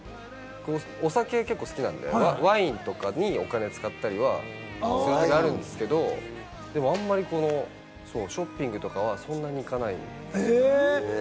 お酒が結構好きなんで、ワインとかにお金を使ったりはあるんですけれども、でもあんまりショッピングとかは、そんなに行かないですね。